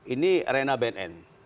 ini arena bnn